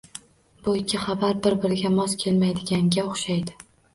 Bu ikki xabar bir -biriga mos kelmaydiganga o'xshaydi